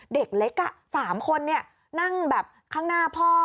เด็กเล็ก๓คนนั่งแบบข้างหน้าพ่อ